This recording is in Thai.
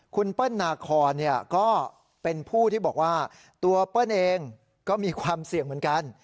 คุณเปิ้ลนาคอนก็เป็นผู้ที่บอกว่าตัวเปิ้ลเองก็มีความเสี่ยงเหมือนกัน